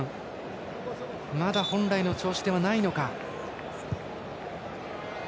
まだ本来の調子ではないのか。